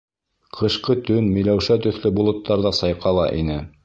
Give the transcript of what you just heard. Ҡышҡы төн миләүшә төҫлө болоттарҙа сайҡала ине.